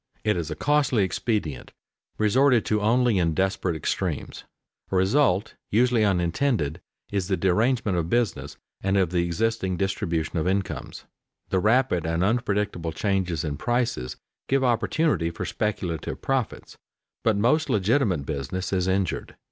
It is a costly expedient, resorted to only in desperate extremities. A result usually unintended is the derangement of business and of the existing distribution of incomes. The rapid and unpredictable changes in prices give opportunity for speculative profits, but most legitimate business is injured.